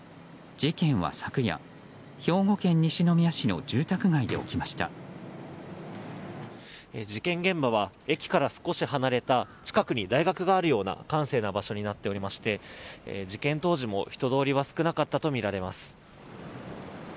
事件現場は駅から少し離れた近くに大学があるような閑静な場所になっていまして事件当時も人通りは少なかったとみられます。